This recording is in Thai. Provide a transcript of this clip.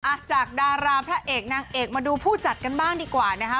อ่ะจากดาราพระเอกนางเอกมาดูผู้จัดกันบ้างดีกว่านะคะ